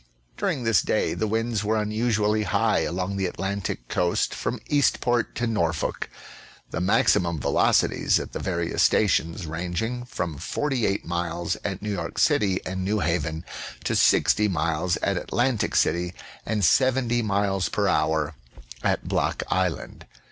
During this day the winds were unusually high along the Atlantic coast from Eastport to IsTorfolk ; the maximum velocities at the various stations ranging from 48 miles at New York City and New Haven to 60 miles at Atlantic City and 70 miles per hour at Block Island.